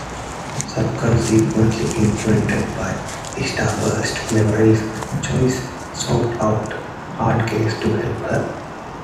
Subconsciously influenced by Starburst's memories, Choice sought out Hardcase to help her.